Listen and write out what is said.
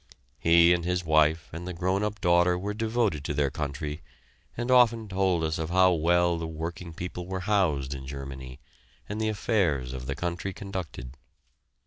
He and his wife and the grown up daughter were devoted to their country, and often told us of how well the working people were housed in Germany and the affairs of the country conducted.